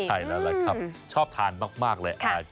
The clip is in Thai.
ใช่ร้อยครับชอบทานมากเลย